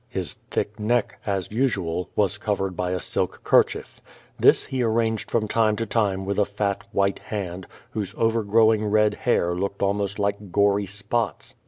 His thick neck, as usual, was covered by a silk kerchief. This he arranged from time to time with a fat, white hand, whose overgrowing red hair looked almost like gory spots.